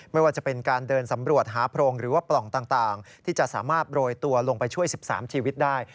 ไม่ว่าจะเป็นการเดินสำรวจหาโพรงหรือว่าปล่องต่างที่จะสามารถโรยตัวลงไปช่วย๑๓ชีวิตได้